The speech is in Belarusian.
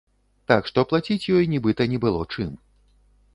Так што плаціць ёй нібыта не было чым.